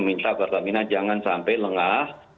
minta pertamina jangan sampai lengah